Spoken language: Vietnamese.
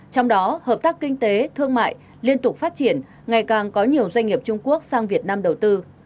trong đó hợp tác kinh tế thương mại liên tục phát triển ngày càng có nhiều doanh nghiệp trung quốc sang việt nam đầu tư